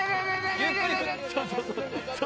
ゆっくり。